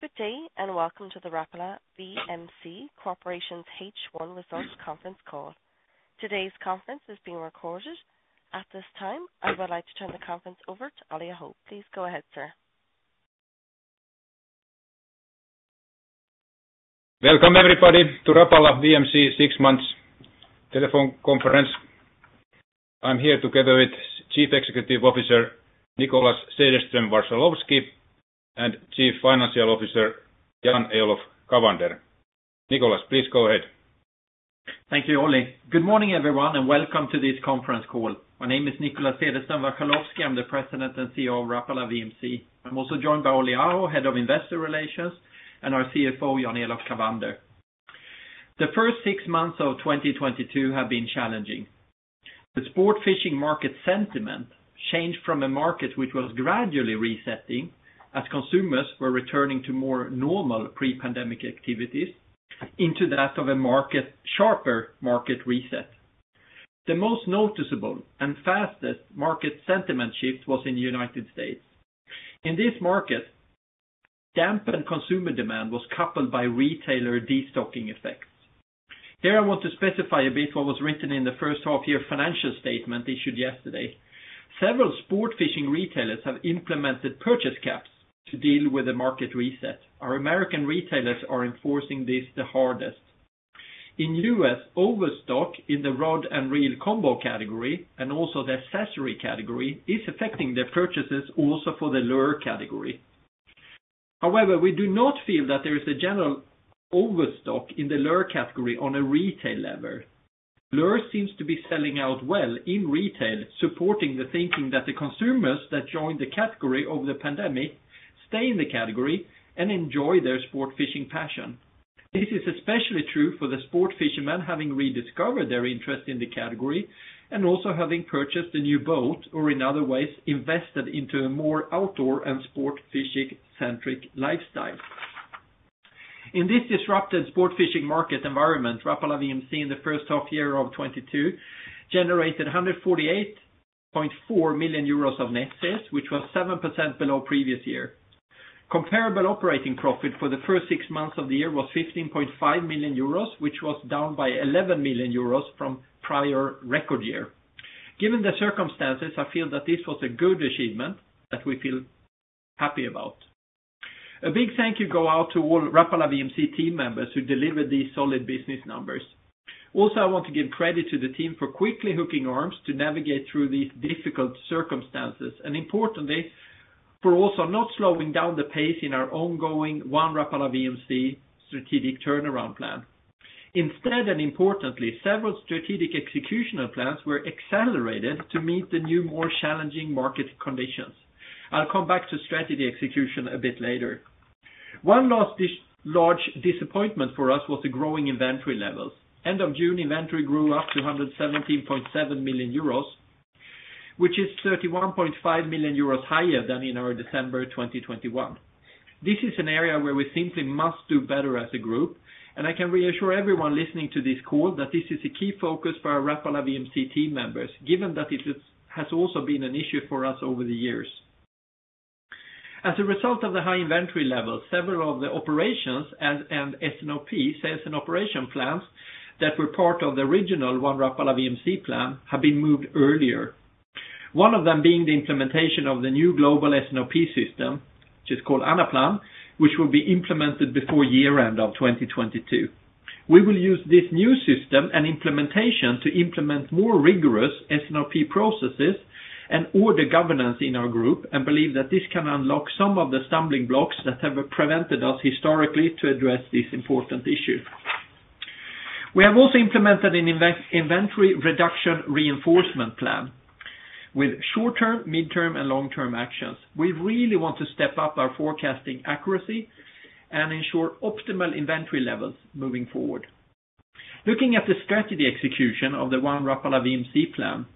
Good day, and Welcome to the Rapala VMC Corporation's H1 Results Conference Call. Today's conference is being recorded. At this time, I would like to turn the conference over to Olli Aho. Please go ahead, sir. Welcome everybody to Rapala VMC Six Months Telephone Conference. I'm here together with Chief Executive Officer Nicolas Cederström Warchalowski, and Chief Financial Officer Jan-Elof Cavander. Nicolas, please go ahead. Thank you, Olli. Good morning, everyone, and welcome to this conference call. My name is Nicolas Cederström Warchalowski. I'm the President and CEO of Rapala VMC. I'm also joined by Olli Aho, Head of Investor Relations, and our CFO, Jan-Elof Cavander. The first six months of 2022 have been challenging. The sport fishing market sentiment changed from a market which was gradually resetting as consumers were returning to more normal pre-pandemic activities into that of a sharper market reset. The most noticeable and fastest market sentiment shift was in the United States. In this market, dampened consumer demand was coupled by retailer destocking effects. Here I want to specify a bit what was written in the first half year financial statement issued yesterday. Several sport fishing retailers have implemented purchase caps to deal with the market reset. Our American retailers are enforcing this the hardest. In U.S., overstock in the rod and reel combo category and also the accessory category is affecting their purchases also for the lure category. However, we do not feel that there is a general overstock in the lure category on a retail level. Lure seems to be selling out well in retail, supporting the thinking that the consumers that joined the category over the pandemic stay in the category and enjoy their sport fishing passion. This is especially true for the sport fishermen having rediscovered their interest in the category and also having purchased a new boat or in other ways invested into a more outdoor and sport fishing-centric lifestyle. In this disrupted sport fishing market environment, Rapala VMC in the first half of 2022 generated 148.4 million euros of net sales, which was 7% below previous year. Comparable operating profit for the first six months of the year was 15.5 million euros, which was down by 11 million euros from prior record year. Given the circumstances, I feel that this was a good achievement that we feel happy about. A big thank you go out to all Rapala VMC team members who delivered these solid business numbers. Also, I want to give credit to the team for quickly locking arms to navigate through these difficult circumstances, and importantly, for also not slowing down the pace in our ongoing One Rapala VMC strategic turnaround plan. Instead, and importantly, several strategic executional plans were accelerated to meet the new, more challenging market conditions. I'll come back to strategy execution a bit later. One last large disappointment for us was the growing inventory levels. End of June, inventory grew up to 117.7 million euros, which is 31.5 million euros higher than in our December 2021. This is an area where we simply must do better as a group, and I can reassure everyone listening to this call that this is a key focus for our Rapala VMC team members, given that it has also been an issue for us over the years. As a result of the high inventory levels, several of the operations and S&OP, sales and operation plans, that were part of the original One Rapala VMC plan have been moved earlier. One of them being the implementation of the new global S&OP system, which is called Anaplan, which will be implemented before year-end of 2022. We will use this new system and implementation to implement more rigorous S&OP processes and order governance in our group and believe that this can unlock some of the stumbling blocks that have prevented us historically to address this important issue. We have also implemented an inventory reduction reinforcement plan with short-term, midterm, and long-term actions. We really want to step up our forecasting accuracy and ensure optimal inventory levels moving forward. Looking at the strategy execution of the One Rapala VMC plan.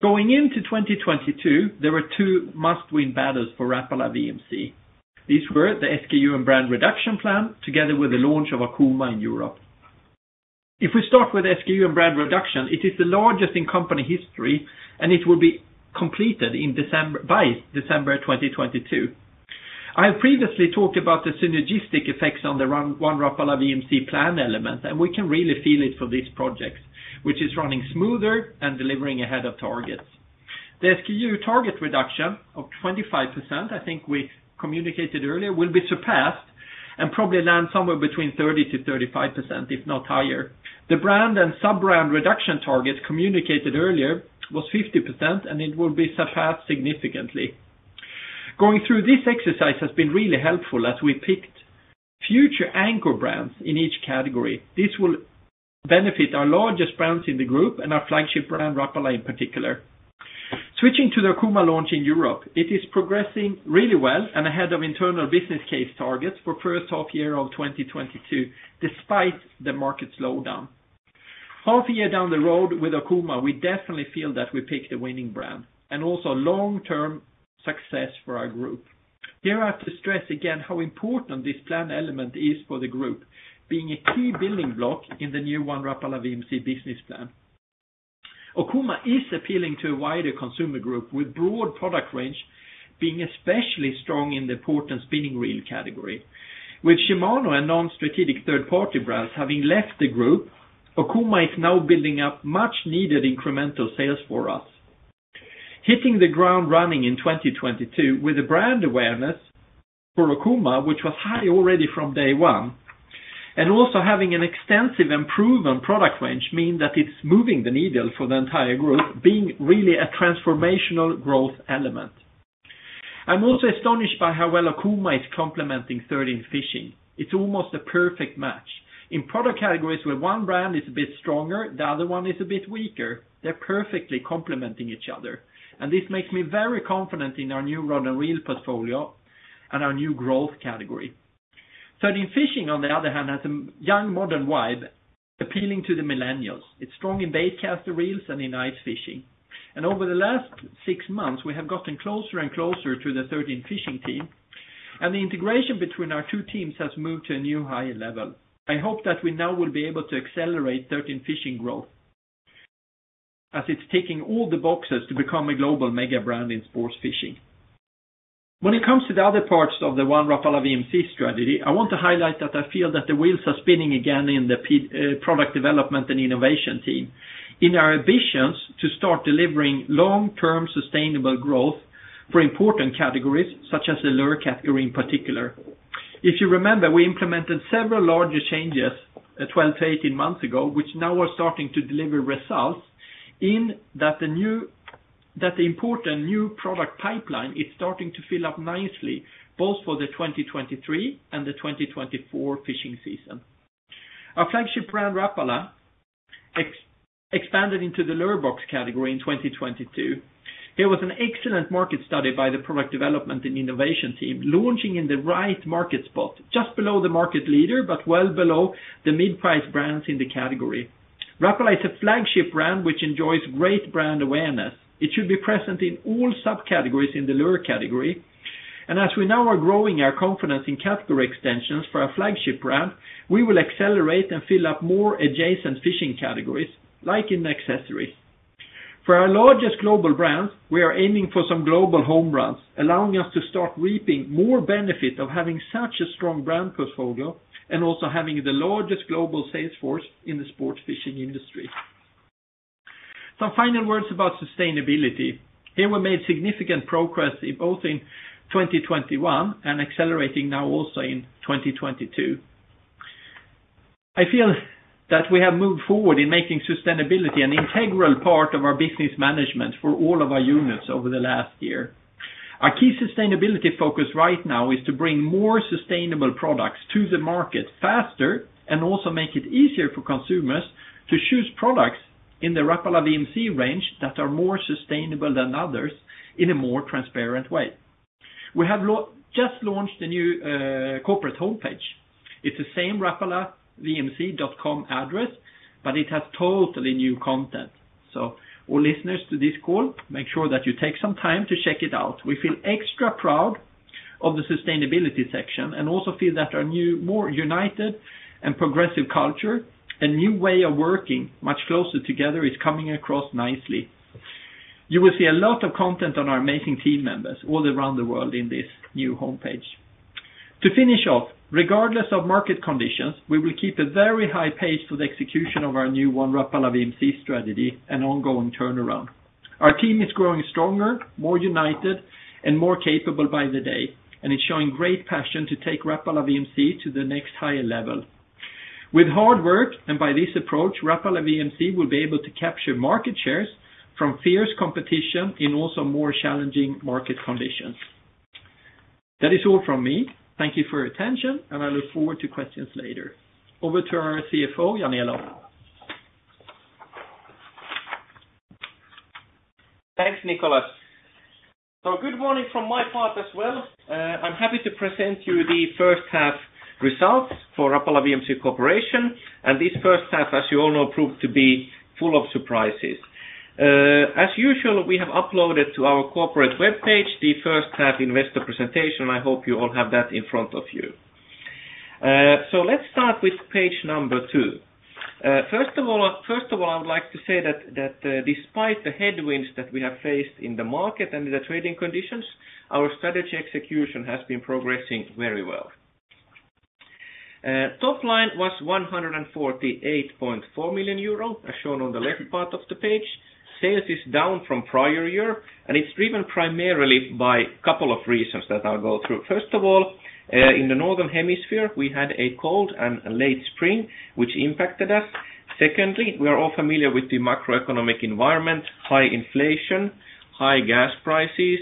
Going into 2022, there were two must-win battles for Rapala VMC. These were the SKU and brand reduction plan together with the launch of Okuma in Europe. If we start with SKU and brand reduction, it is the largest in company history, and it will be completed by December 2022. I have previously talked about the synergistic effects on the One Rapala VMC plan element, and we can really feel it for these projects, which is running smoother and delivering ahead of targets. The SKU target reduction of 25%, I think we communicated earlier, will be surpassed and probably land somewhere between 30%-35%, if not higher. The brand and sub-brand reduction target communicated earlier was 50%, and it will be surpassed significantly. Going through this exercise has been really helpful as we picked future anchor brands in each category. This will benefit our largest brands in the group and our flagship brand, Rapala in particular. Switching to the Okuma launch in Europe. It is progressing really well and ahead of internal business case targets for first half year of 2022 despite the market slowdown. Half a year down the road with Okuma, we definitely feel that we picked a winning brand and also long-term success for our group. Here I have to stress again how important this plan element is for the group being a key building block in the new One Rapala VMC business plan. Okuma is appealing to a wider consumer group with broad product range being especially strong in the sport and spinning reel category. With Shimano and non-strategic third-party brands having left the group, Okuma is now building up much needed incremental sales for us. Hitting the ground running in 2022 with a brand awareness for Okuma, which was high already from day one, and also having an extensive and proven product range mean that it's moving the needle for the entire group being really a transformational growth element. I'm also astonished by how well Okuma is complementing 13 Fishing. It's almost a perfect match. In product categories where one brand is a bit stronger, the other one is a bit weaker. They're perfectly complementing each other, and this makes me very confident in our new rod and reel portfolio and our new growth category. 13 Fishing, on the other hand, has a young, modern vibe appealing to the millennials. It's strong in baitcaster reels and in ice fishing. Over the last six months, we have gotten closer and closer to the 13 Fishing team, and the integration between our two teams has moved to a new higher level. I hope that we now will be able to accelerate 13 Fishing growth as it's ticking all the boxes to become a global mega brand in sports fishing. When it comes to the other parts of the One Rapala VMC strategy, I want to highlight that I feel that the wheels are spinning again in the product development and innovation team in our ambitions to start delivering long-term sustainable growth for important categories such as the lure category in particular. If you remember, we implemented several larger changes 12-18 months ago, which now are starting to deliver results in that the important new product pipeline is starting to fill up nicely both for the 2023 and the 2024 fishing season. Our flagship brand, Rapala, expanded into the Lure Box category in 2022. There was an excellent market study by the product development and innovation team launching in the right market spot, just below the market leader, but well below the mid-price brands in the category. Rapala is a flagship brand which enjoys great brand awareness. It should be present in all subcategories in the lure category. As we now are growing our confidence in category extensions for our flagship brand, we will accelerate and fill up more adjacent fishing categories, like in accessories. For our largest global brands, we are aiming for some global home runs, allowing us to start reaping more benefit of having such a strong brand portfolio and also having the largest global sales force in the sports fishing industry. Some final words about sustainability. Here we made significant progress in both in 2021 and accelerating now also in 2022. I feel that we have moved forward in making sustainability an integral part of our business management for all of our units over the last year. Our key sustainability focus right now is to bring more sustainable products to the market faster and also make it easier for consumers to choose products in the Rapala VMC range that are more sustainable than others in a more transparent way. We have just launched a new corporate homepage. It's the same rapalavmc.com address, but it has totally new content. All listeners to this call, make sure that you take some time to check it out. We feel extra proud of the sustainability section, and also feel that our new, more united and progressive culture and new way of working much closer together is coming across nicely. You will see a lot of content on our amazing team members all around the world in this new homepage. To finish off, regardless of market conditions, we will keep a very high pace for the execution of our new One Rapala VMC strategy and ongoing turnaround. Our team is growing stronger, more united, and more capable by the day, and is showing great passion to take Rapala VMC to the next higher level. With hard work and by this approach, Rapala VMC will be able to capture market shares from fierce competition in also more challenging market conditions. That is all from me. Thank you for your attention, and I look forward to questions later. Over to our CFO, Jan-Elof Cavander. Thanks, Nicolas. Good morning from my part as well. I'm happy to present you the first half results for Rapala VMC Corporation. This first half, as you all know, proved to be full of surprises. As usual, we have uploaded to our corporate webpage the first half investor presentation. I hope you all have that in front of you. Let's start with page 2. First of all, I would like to say that despite the headwinds that we have faced in the market and the trading conditions, our strategy execution has been progressing very well. Top line was 148.4 million euro, as shown on the left part of the page. Sales is down from prior year, and it's driven primarily by couple of reasons that I'll go through. First of all, in the Northern Hemisphere, we had a cold and late spring which impacted us. Secondly, we are all familiar with the macroeconomic environment, high inflation, high gas prices,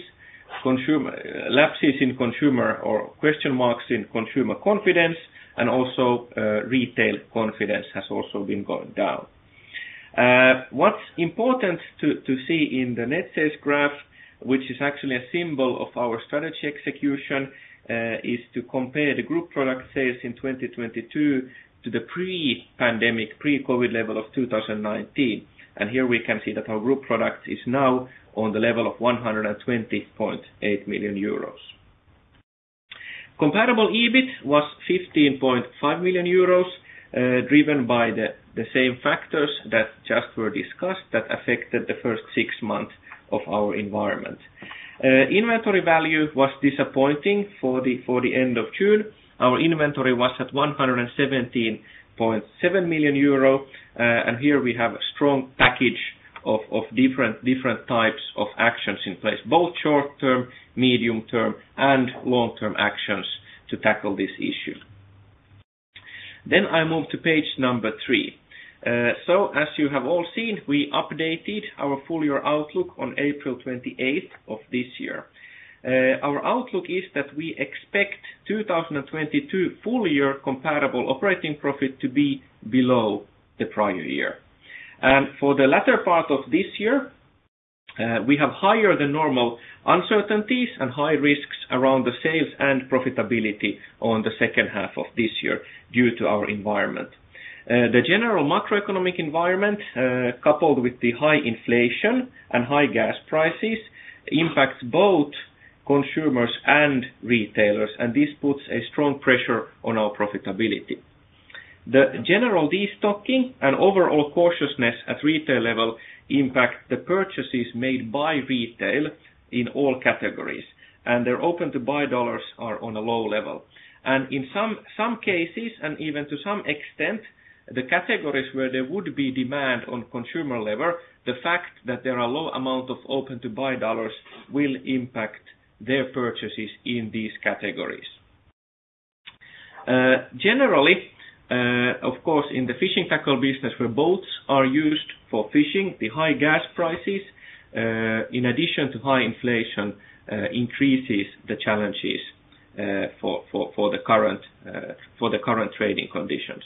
lapses in consumer or question marks in consumer confidence, and also, retail confidence has also been going down. What's important to see in the net sales graph, which is actually a symbol of our strategy execution, is to compare the group product sales in 2022 to the pre-pandemic, pre-COVID level of 2019. Here we can see that our group product is now on the level of 120.8 million euros. Comparable EBIT was 15.5 million euros, driven by the same factors that just were discussed that affected the first six months of our environment. Inventory value was disappointing for the end of June. Our inventory was at 117.7 million euro, and here we have a strong package of different types of actions in place, both short-term, medium-term, and long-term actions to tackle this issue. I move to page number three. As you have all seen, we updated our full year outlook on April twenty-eighth of this year. Our outlook is that we expect 2022 full year comparable operating profit to be below the prior year. For the latter part of this year, we have higher than normal uncertainties and high risks around the sales and profitability on the second half of this year due to our environment. The general macroeconomic environment, coupled with the high inflation and high gas prices impacts both consumers and retailers, and this puts a strong pressure on our profitability. The general destocking and overall cautiousness at retail level impact the purchases made by retail in all categories, and their open-to-buy dollars are on a low level. In some cases, and even to some extent, the categories where there would be demand on consumer level, the fact that there are low amount of open-to-buy dollars will impact their purchases in these categories. Generally, of course, in the fishing tackle business where boats are used for fishing, the high gas prices, in addition to high inflation, increases the challenges, for the current trading conditions.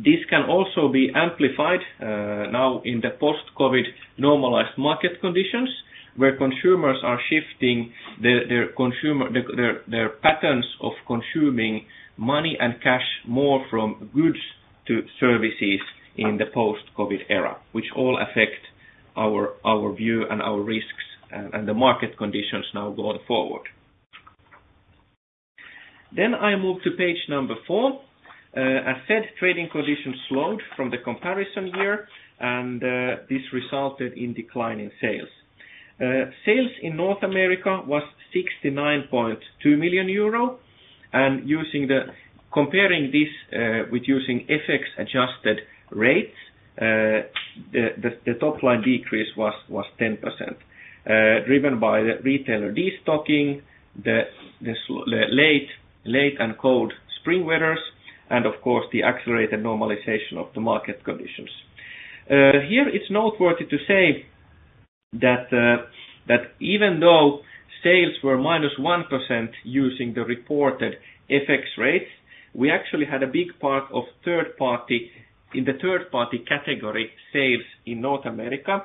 This can also be amplified now in the post-COVID normalized market conditions, where consumers are shifting their patterns of consuming money and cash more from goods to services in the post-COVID era, which all affect our view and our risks and the market conditions now going forward. I move to page number 4. As said, trading conditions slowed from the comparison year, and this resulted in decline in sales. Sales in North America was 69.2 million euro, and comparing this with using FX-adjusted rates, the top line decrease was 10%, driven by the retailer destocking the late and cold spring weather and of course the accelerated normalization of the market conditions. Here it's noteworthy to say that even though sales were -1% using the reported FX rates, we actually had a big part of third party in the third party category sales in North America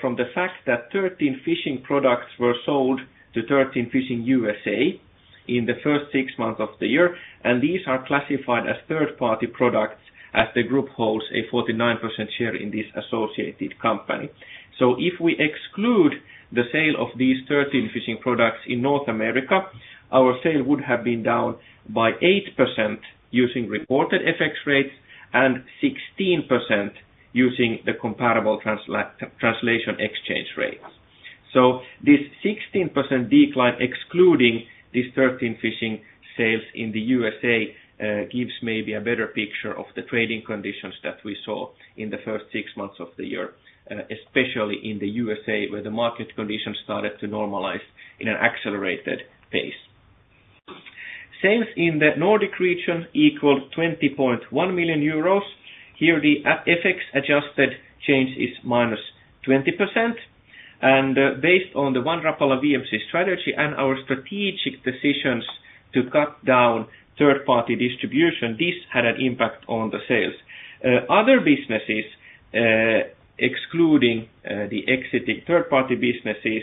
from the fact that 13 Fishing products were sold to 13 Fishing USA in the first six months of the year, and these are classified as third party products as the group holds a 49% share in this associated company. If we exclude the sale of these 13 Fishing products in North America, our sale would have been down by 8% using reported FX rates and 16% using the comparable translation exchange rates. This 16% decline, excluding these 13 Fishing sales in the USA, gives maybe a better picture of the trading conditions that we saw in the first six months of the year, especially in the USA, where the market conditions started to normalize in an accelerated pace. Sales in the Nordic region equaled 20.1 million euros. Here the FX-adjusted change is -20%. Based on the One Rapala VMC strategy and our strategic decisions to cut down third-party distribution, this had an impact on the sales. Other businesses, excluding the exiting third-party businesses,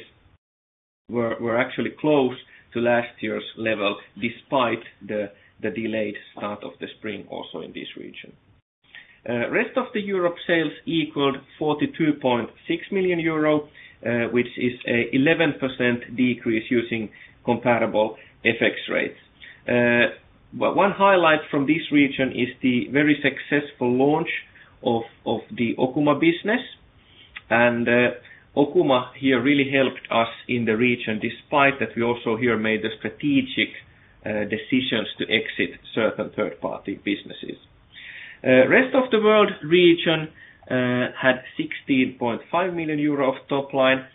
were actually close to last year's level despite the delayed start of the spring also in this region. Rest of Europe sales equaled 42.6 million euro, which is an 11% decrease using comparable FX rates. One highlight from this region is the very successful launch of the Okuma business. Okuma here really helped us in the region despite that we also here made the strategic decisions to exit certain third-party businesses. Rest of the world region had 16.5 million euro of top line,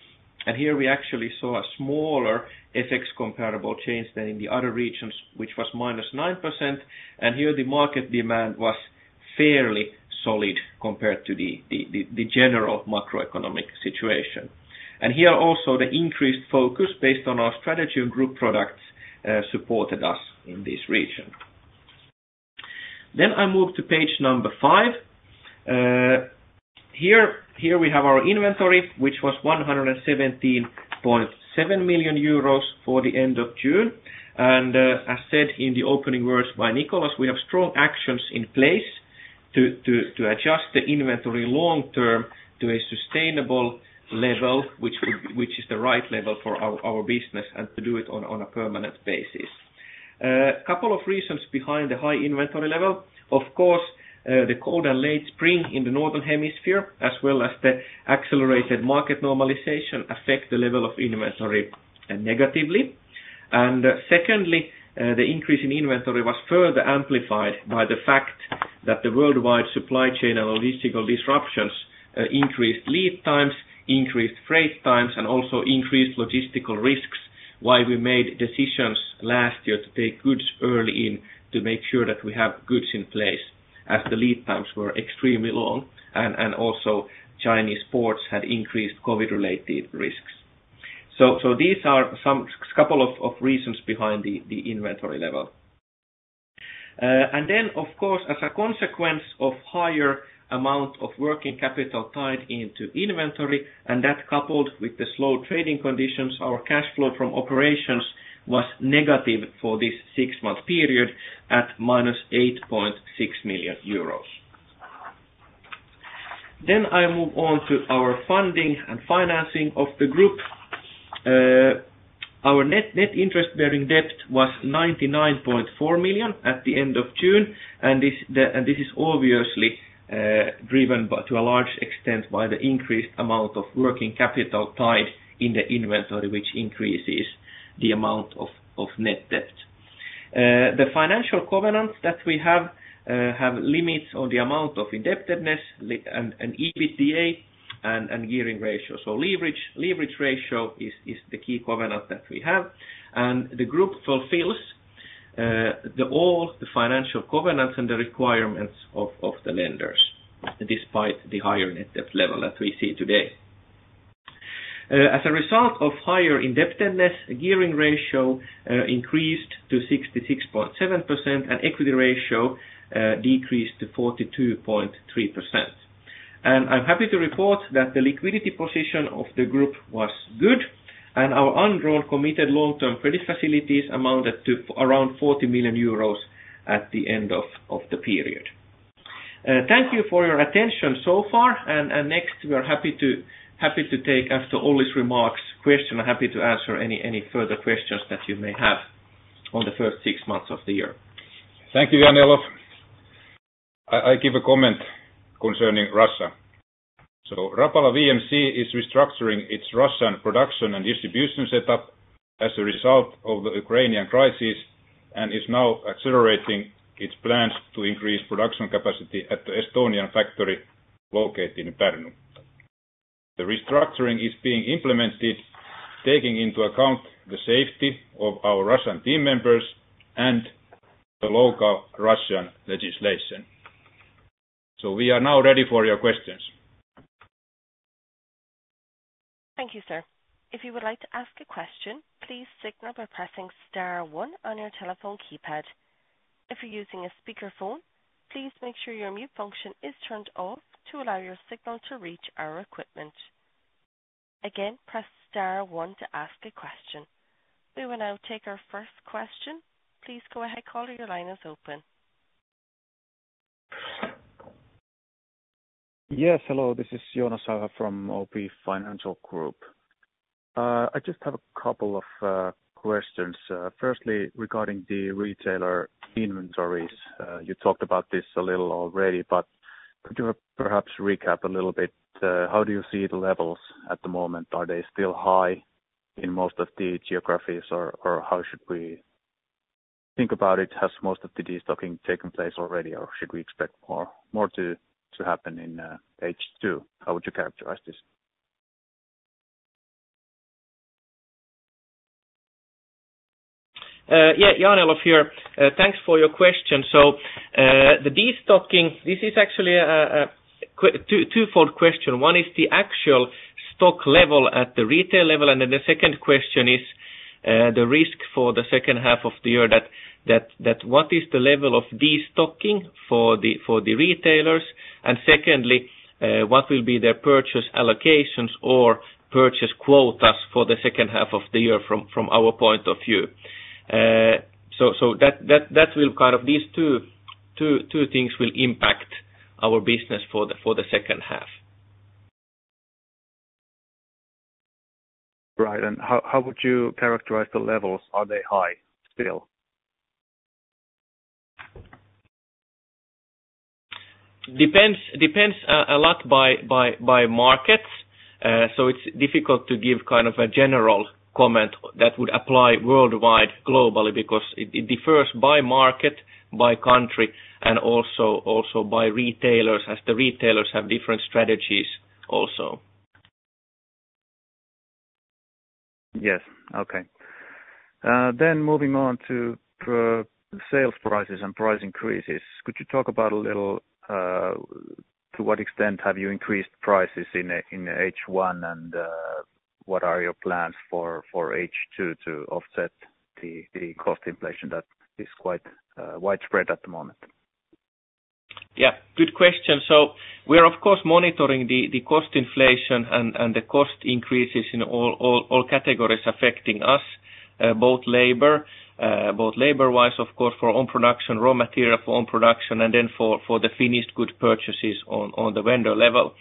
and here we actually saw a smaller FX comparable change than in the other regions, which was -9%. Here the market demand was fairly solid compared to the general macroeconomic situation. Here also the increased focus based on our strategy and group products supported us in this region. I move to page number 5. Here we have our inventory which was 117.7 million euros for the end of June. As said in the opening words by Nicolas Cederström Warchalowski, we have strong actions in place to adjust the inventory long term to a sustainable level, which is the right level for our business and to do it on a permanent basis. A couple of reasons behind the high inventory level. Of course, the cold and late spring in the northern hemisphere, as well as the accelerated market normalization affect the level of inventory negatively. Secondly, the increase in inventory was further amplified by the fact that the worldwide supply chain and logistical disruptions increased lead times, increased freight times, and also increased logistical risks while we made decisions last year to take goods early in to make sure that we have goods in place as the lead times were extremely long and also Chinese ports had increased COVID-related risks. These are some couple of reasons behind the inventory level. Of course, as a consequence of higher amount of working capital tied into inventory, and that coupled with the slow trading conditions, our cash flow from operations was negative for this six-month period at minus 8.6 million euros. I move on to our funding and financing of the group. Our net interest bearing debt was 99.4 million at the end of June. This is obviously driven by, to a large extent, by the increased amount of working capital tied in the inventory, which increases the amount of net debt. The financial covenants that we have have limits on the amount of indebtedness and EBITDA and gearing ratio. Leverage ratio is the key covenant that we have. The group fulfills all the financial covenants and the requirements of the lenders despite the higher net debt level that we see today. As a result of higher indebtedness, gearing ratio increased to 66.7%, and equity ratio decreased to 42.3%. I'm happy to report that the liquidity position of the group was good and our undrawn committed long-term credit facilities amounted to around 40 million euros at the end of the period. Thank you for your attention so far. Next, we are happy to take questions after Olli's remarks. Happy to answer any further questions that you may have on the first six months of the year. Thank you, Jan-Elof Cavander. I give a comment concerning Russia. Rapala VMC is restructuring its Russian production and distribution setup as a result of the Ukrainian crisis, and is now accelerating its plans to increase production capacity at the Estonian factory located in Pärnu. The restructuring is being implemented, taking into account the safety of our Russian team members and the local Russian legislation. We are now ready for your questions. Thank you, sir. If you would like to ask a question, please signal by pressing star one on your telephone keypad. If you're using a speaker phone, please make sure your mute function is turned off to allow your signal to reach our equipment. Again, press star one to ask a question. We will now take our first question. Please go ahead. Caller, your line is open. Yes, 1, this is Jonas Saha from OP Financial Group. I just have a couple of questions. Firstly regarding the retailer inventories. You talked about this a little already, but could you perhaps recap a little bit? How do you see the levels at the moment? Are they still high in most of the geographies or how should we think about it? Has most of the destocking taken place already, or should we expect more to happen in H2? How would you characterize this? Jan-Elof Cavander here. Thanks for your question. The destocking, this is actually a two-fold question. One is the actual stock level at the retail level, and then the second question is, the risk for the second half of the year that what is the level of destocking for the retailers? And secondly, what will be their purchase allocations or purchase quotas for the second half of the year from our point of view? So that will kind of these two things will impact our business for the second half. How would you characterize the levels? Are they high still? Depends a lot by markets. So it's difficult to give kind of a general comment that would apply worldwide globally because it differs by market, by country, and also by retailers, as the retailers have different strategies also. Moving on to sales prices and price increases. Could you talk a little about to what extent have you increased prices in H1 and what are your plans for H2 to offset the cost inflation that is quite widespread at the moment? Yeah, good question. We're of course monitoring the cost inflation and the cost increases in all categories affecting us. Both labor wise of course for own production, raw material for own production and then for the finished goods purchases on the vendor level.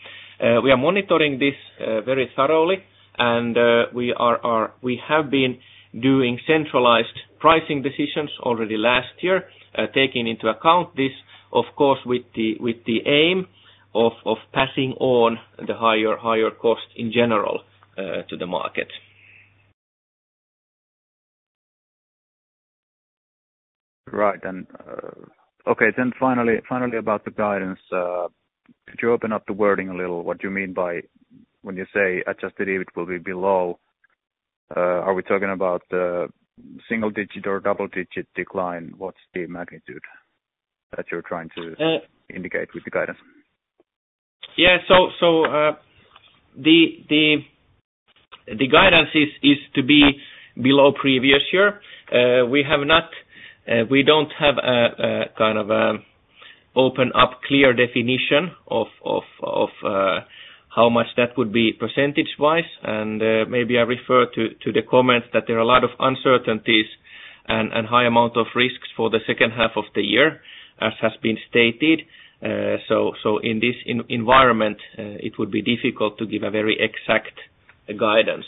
We are monitoring this very thoroughly and we have been doing centralized pricing decisions already last year, taking into account this of course with the aim of passing on the higher cost in general to the market. Right. Okay then finally about the guidance, could you open up the wording a little, what you mean by when you say adjusted EBIT will be below, are we talking about single digit or double-digit decline? What's the magnitude that you're trying to indicate with the guidance? The guidance is to be below previous year. We don't have a kind of open, clear definition of how much that would be percentage wise. Maybe I refer to the comments that there are a lot of uncertainties and a high amount of risks for the second half of the year as has been stated. In this environment, it would be difficult to give a very exact guidance.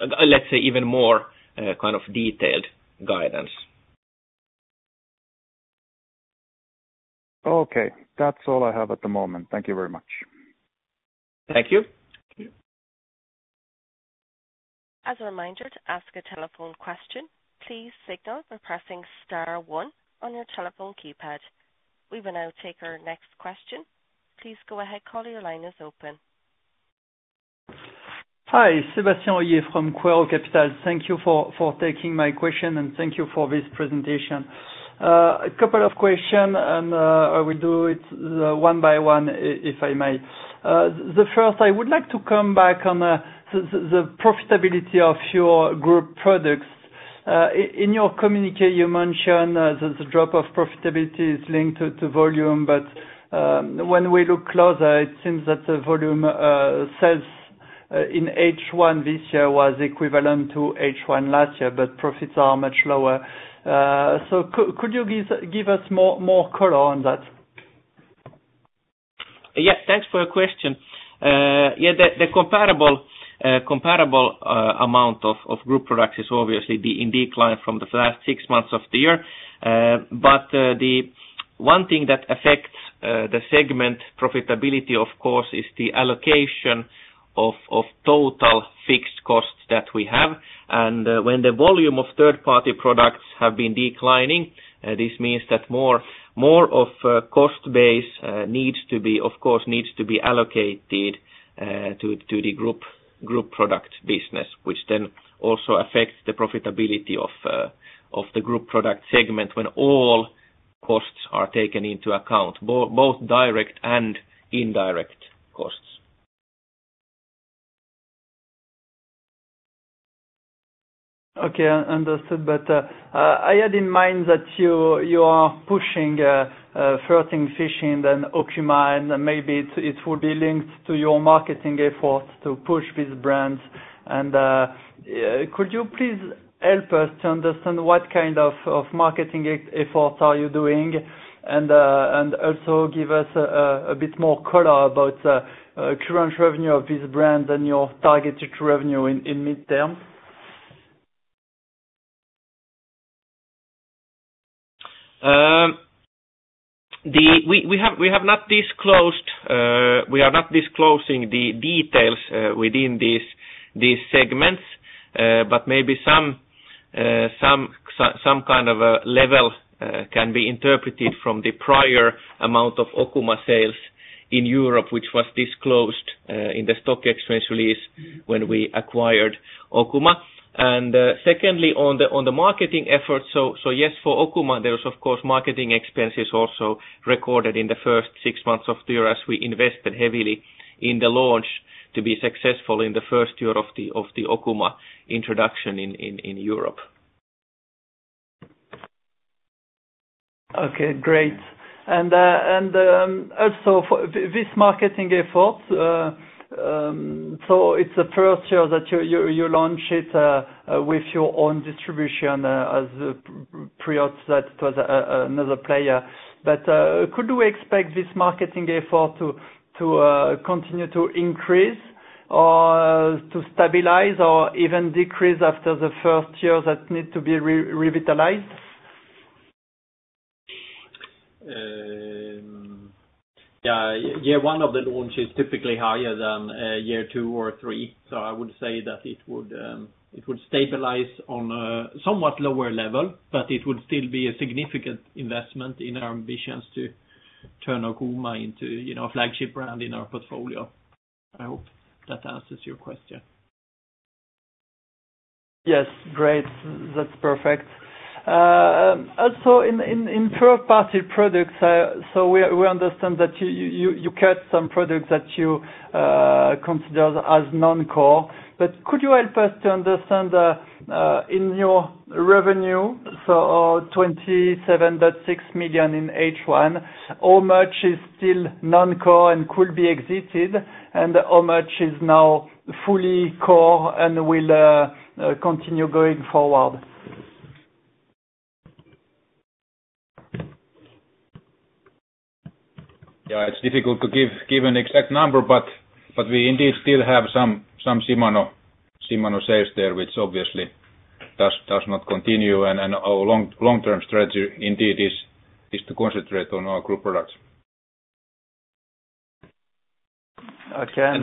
Let's say even more kind of detailed guidance. Okay. That's all I have at the moment. Thank you very much. Thank you. Thank you. As a reminder to ask a telephone question, please signal by pressing star one on your telephone keypad. We will now take our next question. Please go ahead. Caller, your line is open. Hi. Sébastien Hoyez from Quaero Capital. Thank you for taking my question and thank you for this presentation. A couple of questions and I will do it one by one if I may. The first I would like to come back on the profitability of your group products. In your communication you mentioned that the drop of profitability is linked to volume. When we look closer, it seems that the volume sales in H1 this year was equivalent to H1 last year, but profits are much lower. Could you give us more color on that? Yes. Thanks for your question. The comparable amount of group products is obviously in decline from the last six months of the year. The one thing that affects the segment profitability, of course, is the allocation of total fixed costs that we have. When the volume of third-party products have been declining, this means that more of cost base needs to be allocated to the group product business, which then also affects the profitability of the group product segment when all costs are taken into account, both direct and indirect costs. Okay, understood. I had in mind that you are pushing 13 Fishing and Okuma, and maybe it would be linked to your marketing efforts to push these brands. Could you please help us to understand what kind of marketing efforts are you doing? Also give us a bit more color about current revenue of this brand and your targeted revenue in mid-term. We have not disclosed, we are not disclosing the details within these segments. Maybe some kind of a level can be interpreted from the prior amount of Okuma sales in Europe, which was disclosed in the stock exchange release when we acquired Okuma. Secondly, on the marketing efforts. Yes, for Okuma, there was of course marketing expenses also recorded in the first six months of the year as we invested heavily in the launch to be successful in the first year of the Okuma introduction in Europe. Okay, great. Also for this marketing efforts, so it's the first year that you launch it with your own distribution, as Pure Fishing that was another player. Could we expect this marketing effort to continue to increase or to stabilize or even decrease after the first year that need to be revitalized? Yeah. Year one of the launch is typically higher than year two or three. I would say that it would stabilize on a somewhat lower level, but it would still be a significant investment in our ambitions to turn Okuma into, you know, a flagship brand in our portfolio. I hope that answers your question. Yes. Great. That's perfect. Also in third-party products, we understand that you cut some products that you consider as non-core. Could you help us to understand, in your revenue, so our 27.6 million in H1, how much is still non-core and could be exited? How much is now fully core and will continue going forward? Yeah, it's difficult to give an exact number, but we indeed still have some Shimano sales there, which obviously does not continue. Our long-term strategy indeed is to concentrate on our group products. Okay.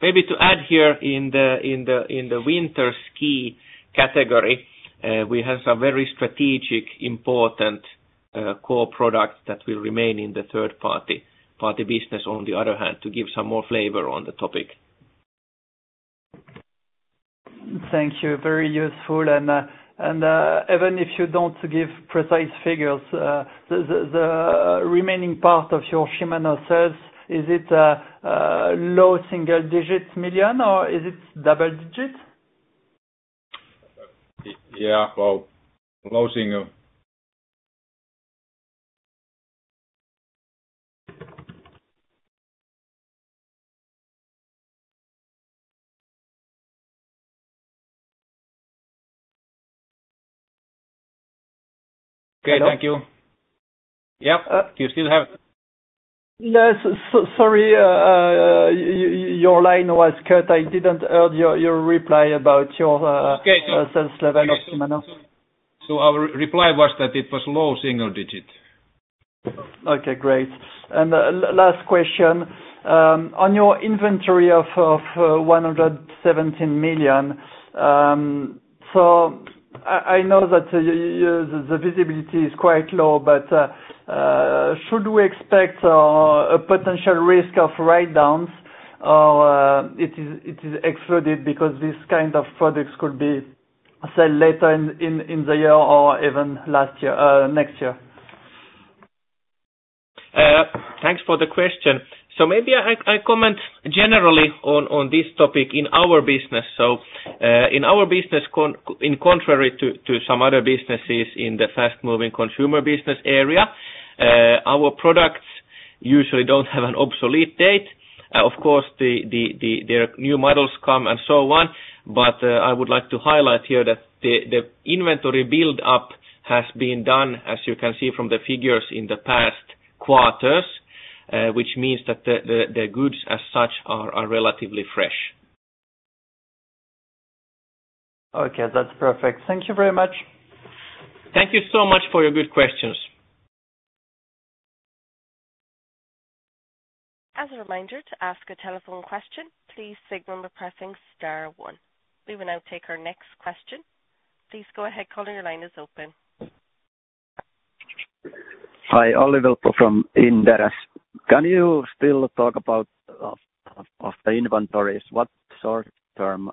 Maybe to add here in the winter ski category, we have some very strategic important core products that will remain in the third party business. On the other hand, to give some more flavor on the topic. Thank you. Very useful. Even if you don't give precise figures, the remaining part of your Shimano sales, is it low single-digit million or is it double-digit? Yeah. Well, low single. Okay, thank you. Yep. Do you still have- Yes. Sorry, your line was cut. I didn't heard your reply about your Okay. Sales level of Shimano. Our reply was that it was low single digit. Okay, great. Last question. On your inventory of 117 million, so I know that the visibility is quite low, but should we expect a potential risk of write-downs or it is excluded because this kind of products could be sold later in the year or even last year, next year? Thanks for the question. Maybe I comment generally on this topic in our business. In our business in contrast to some other businesses in the fast moving consumer business area, our products usually don't have an obsolete date. Of course, their new models come and so on. I would like to highlight here that the inventory build up has been done, as you can see from the figures in the past quarters, which means that the goods as such are relatively fresh. Okay, that's perfect. Thank you very much. Thank you so much for your good questions. As a reminder, to ask a telephone question, please signal by pressing star one. We will now take our next question. Please go ahead. Your line is open. Hi, Oliver from Inderes. Can you still talk about the inventories? What short-term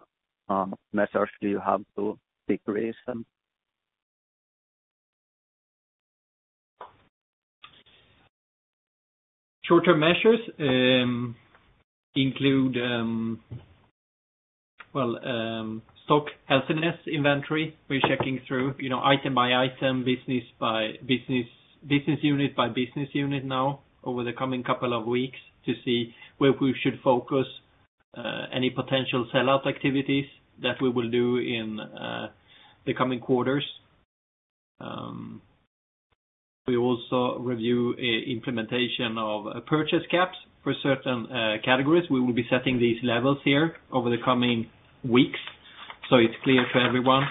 measures do you have to decrease them? Short-term measures include well stock healthiness inventory. We're checking through, you know, item by item, business by business unit by business unit now over the coming couple of weeks to see where we should focus any potential sellout activities that we will do in the coming quarters. We also review implementation of purchase caps for certain categories. We will be setting these levels here over the coming weeks, so it's clear for everyone.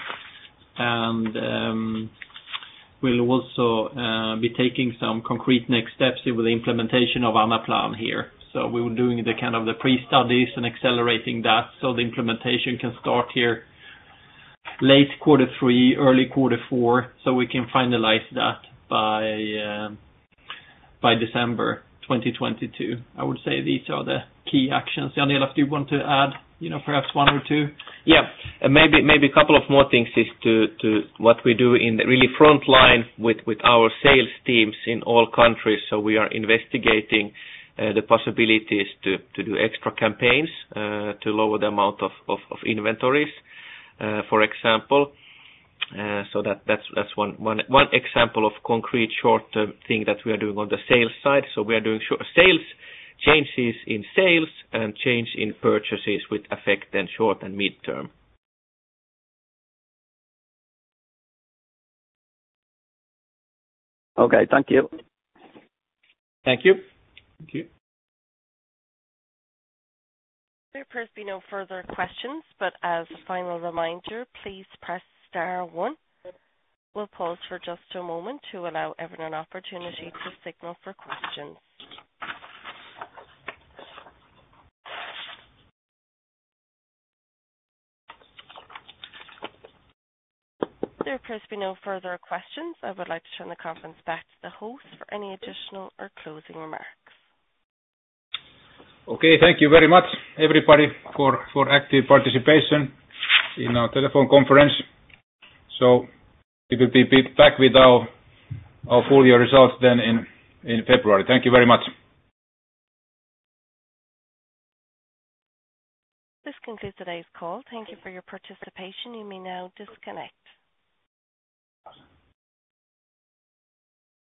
We'll also be taking some concrete next steps with the implementation of our new plan here. We were doing the kind of the pre-studies and accelerating that so the implementation can start here late quarter three, early quarter four, so we can finalize that by December 2022. I would say these are the key actions. Jan-Elof Cavander, if you want to add, you know, perhaps one or two. Yeah. Maybe a couple of more things is to what we do in really front line with our sales teams in all countries. We are investigating the possibilities to do extra campaigns to lower the amount of inventories, for example. That's one example of concrete short-term thing that we are doing on the sales side. We are doing short sales, changes in sales and change in purchases with effect in short and mid-term. Okay, thank you. Thank you. Thank you. There appears to be no further questions, but as a final reminder, please press star one. We'll pause for just a moment to allow everyone an opportunity to signal for questions. There appears to be no further questions. I would like to turn the conference back to the host for any additional or closing remarks. Okay, thank you very much, everybody for active participation in our telephone conference. We will be back with our full year results then in February. Thank you very much. This concludes today's call. Thank you for your participation. You may now disconnect.